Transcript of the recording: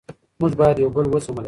موږ باید یو بل و زغملی سو.